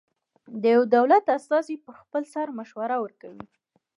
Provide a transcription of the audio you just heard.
د یوه دولت استازی پر خپل سر مشوره ورکوي.